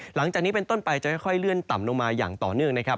หลังจากนี้เป็นต้นไปจะค่อยเลื่อนต่ำลงมาอย่างต่อเนื่องนะครับ